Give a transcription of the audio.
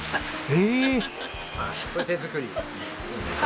へえ。